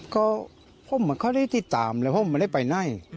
ก็พ่อมันเขาได้ติดตามเลยพ่อมันไม่ได้ไปไหน